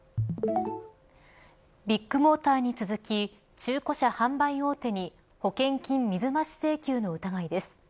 ビッグモーターに続き中古車販売大手に保険金水増し請求の疑いです。